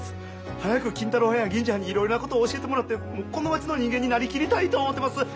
早く金太郎はんや銀次はんにいろいろなことを教えてもらってこの町の人間になりきりたいと思ってます。